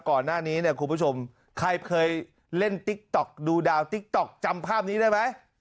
ก่อนหน้านี้เนี่ยคุณผู้ชมใครเคยเล่นติ๊กต๊อกดูดาวติ๊กต๊อกจำภาพนี้ได้ไหม